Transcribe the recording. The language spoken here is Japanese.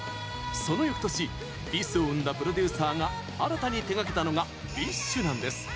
そのよくとし、ＢｉＳを生んだプロデューサーが新たに手がけたのがＢｉＳＨなんです。